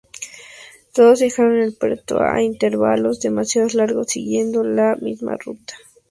Todos dejaron el puerto a intervalos demasiado largos y siguiendo la misma ruta.